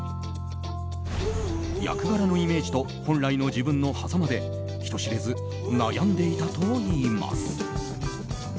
役柄のイメージと本来の自分のはざまで人知れず悩んでいたといいます。